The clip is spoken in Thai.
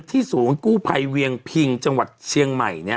ศูนย์กู้ภัยเวียงพิงจังหวัดเชียงใหม่เนี่ย